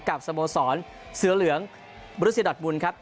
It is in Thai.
กับสโมสรเสือเหลืองบริษัทดอทมุนครับ